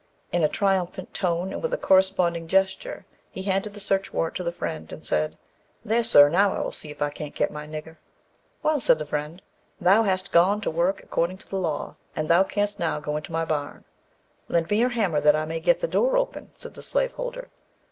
In a triumphant tone and with a corresponding gesture, he handed the search warrant to the Friend, and said, "There, sir, now I will see if I can't get my nigger." "Well," said the Friend, "thou hast gone to work according to law, and thou canst now go into my barn." "Lend me your hammer that I may get the door open," said the slaveholder.